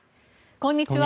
こんにちは。